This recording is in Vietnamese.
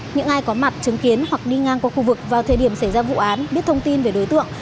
những ai có mặt chứng kiến hoặc đi ngang qua khu vực vào thời điểm xảy ra vụ án biết thông tin về đối tượng